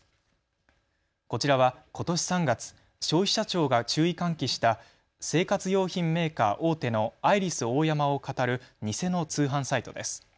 こちらはことし３月、消費者庁が注意喚起した生活用品メーカー大手のアイリスオーヤマをかたる偽の通販サイトです。